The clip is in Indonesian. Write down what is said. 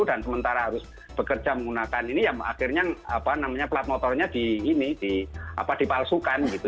dan sementara harus bekerja menggunakan ini ya akhirnya plat motornya dipalsukan gitu